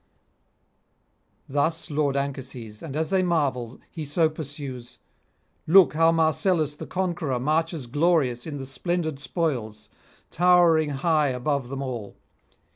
Thus lord Anchises, and as they marvel, he so pursues: 'Look how Marcellus the conqueror marches glorious in the splendid spoils, towering high above them all!